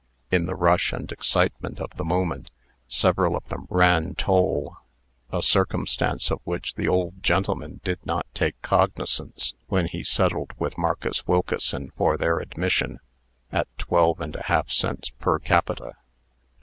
In the rush and excitement of the moment, several of them ran toll a circumstance of which the old gentleman did not take cognizance when he settled with Marcus Wilkeson for their admission at twelve and a half cents per capita.